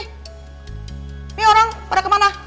ini orang pada kemana